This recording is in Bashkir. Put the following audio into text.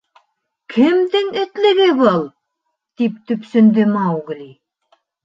— Кемдең этлеге был? — тип төпсөндө Маугли.